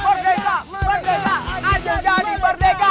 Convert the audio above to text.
merdeka merdeka akan jadi merdeka